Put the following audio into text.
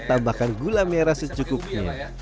tambahkan gula merah secukupnya